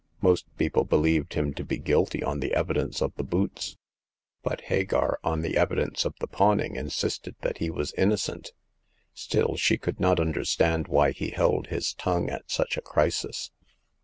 Most people believed him to be guilty on the evidence of the boots ; but Hagar, on the evidence of the pawning, insisted that he was innocent. Still, she could not under stand why he held his tongue at such a crisis.